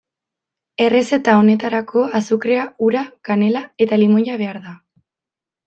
Errezeta honetarako azukrea, ura, kanela eta limoia behar da.